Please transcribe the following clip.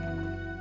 mas kenapa mas